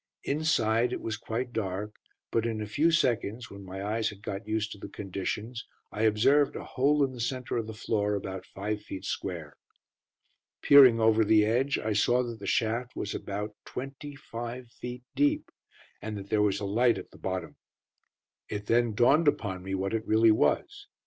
Inside it was quite dark, but in a few seconds, when my eyes had got used to the conditions, I observed a hole in the centre of the floor about five feet square. Peering over the edge, I saw that the shaft was about twenty five feet deep, and that there was a light at the bottom. It then dawned upon me what it really was.